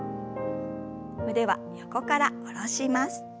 腕は横から下ろします。